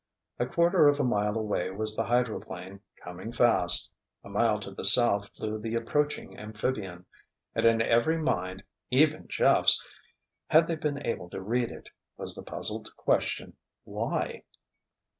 A quarter of a mile away was the hydroplane, coming fast. A mile to the south flew the approaching amphibian. And in every mind—even Jeff's, had they been able to read it—was the puzzled question, "Why?"